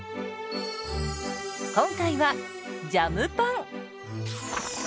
今回はジャムパン。